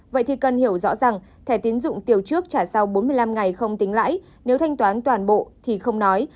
vậy thì cần hiểu rõ rằng thẻ tiến dụng tiêu trước trả sau bốn mươi năm ngày không tính lãi nếu thanh toán toàn bộ thì không nói